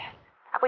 aku jalan dulu